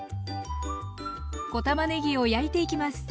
小たまねぎを焼いていきます。